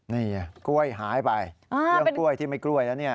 นี่กล้วยหายไปเรื่องกล้วยที่ไม่กล้วยแล้วเนี่ย